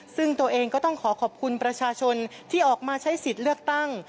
ซึ่งตัวเองก็ต้องขอขอบคุณประชาชนที่ออกมาใช้สิทธิ์เลือกตั้ง